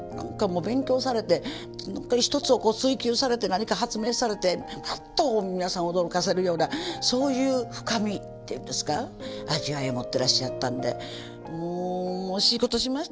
勉強されて一つをこう追求されて何か発明されてあっと皆さんを驚かせるようなそういう深みっていうんですか味わいを持ってらっしゃったんでもう惜しいことしました。